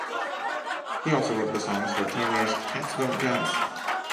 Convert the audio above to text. He also wrote the songs for Turner's "Cats Don't Dance".